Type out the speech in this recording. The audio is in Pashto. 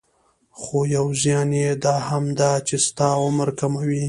خو يو زيان يي دا هم ده چې ستاسې عمر کموي.